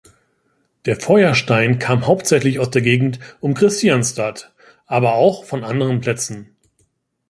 Der Feuerstein kam hauptsächlich aus der Gegend um Kristianstad, aber auch von anderen Plätzen.